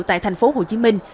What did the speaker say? tại thành phố hồ chí minh